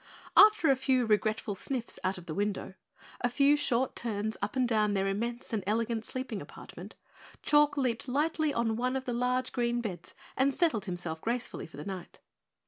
After a few regretful sniffs out of the window, a few short turns up and down their immense and elegant sleeping apartment, Chalk leaped lightly on one of the large green beds and settled himself gracefully for the night.